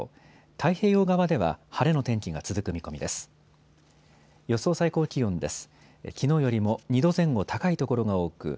太平洋側では晴れの天気が続く見込みです。